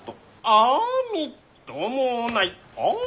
あみっともない。